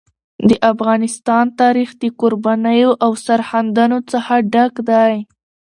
د افغانستان تاریخ د قربانیو او سرښندنو څخه ډک دی.